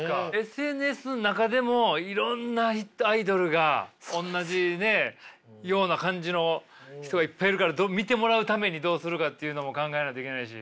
ＳＮＳの中でもいろんなアイドルがおんなじような感じの人がいっぱいいるから見てもらうためにどうするかっていうのも考えないといけないし。